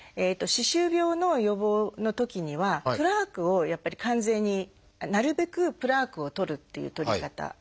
歯周病の予防のときにはプラークをやっぱり完全になるべくプラークを取るっていう取り方があるんですね。